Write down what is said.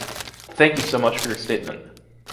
Thank you so much for your statement.